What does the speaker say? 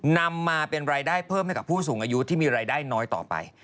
นำมาเป็นรายได้เพิ่มให้กับผู้สูงอายุที่มีรายได้น้อยต่อไป